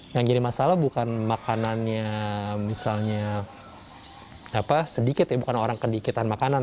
yang jadi masalah bukan makanannya misalnya sedikit ya bukan orang kedikitan makanan